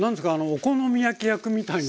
お好み焼き焼くみたいな。